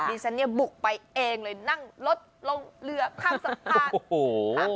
ดิฉันเนี่ยบุกไปเองเลยนั่งรถลงเรือข้ามสะพานโอ้โห